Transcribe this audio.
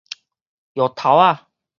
藥頭仔